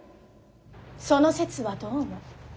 その節はどうも。